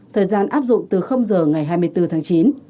thời gian áp dụng từ giờ ngày hai mươi bốn tháng chín